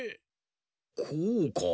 こうか？